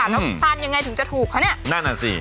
แล้วค่านยังไงถึงจะถูกเขาเนี่ย